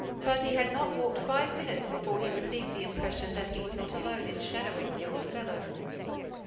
But he had not walked five minutes before he received the impression that he was not alone in shadowing the old fellow.